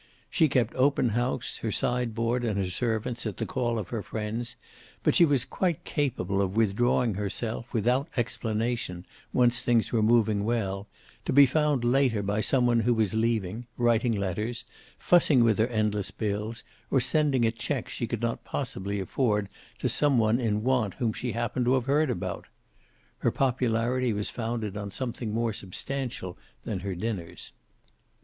She kept open house, her side board and her servants at the call of her friends, but she was quite capable of withdrawing herself, without explanation, once things were moving well, to be found later by some one who was leaving, writing letters, fussing with her endless bills, or sending a check she could not possibly afford to some one in want whom she happened to have heard about. Her popularity was founded on something more substantial than her dinners.